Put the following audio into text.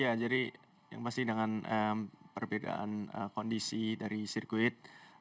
ya jadi yang pasti dengan perbedaan kondisi dari sirkuit